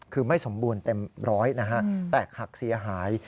คือไม่สมบูรณ์เต็มร้อยนะฮะแตกหักเสียหาย